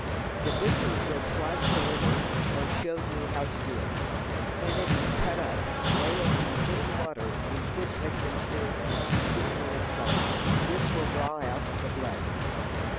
THE butcher will slice the liver, or show you how to do it. When it is cut up, lay it in cold water in which has been stirred a teaspoonful of salt. This will draw out the blood.